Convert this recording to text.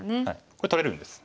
これ取れるんです。